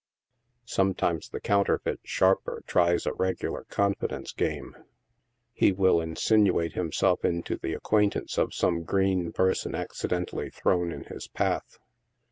Sometimes the counterfeit sharper tries a regular confidence game. He will insinuate himself into the acquaintance of some green person acci dentally thrown in his path.